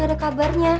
terus gak ada kabarnya